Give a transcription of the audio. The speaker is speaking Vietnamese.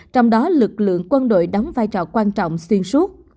trong đó lực lượng quân đội đóng vai trò quan trọng xuyên suốt